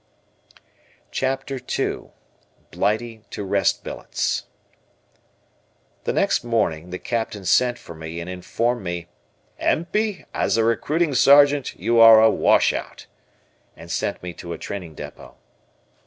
CHAPTER II BLIGHTY TO REST BILLETS The next morning, the Captain sent for me and informed me: "Empey, as a recruiting Sergeant you are a washout," and sent me to a training depot.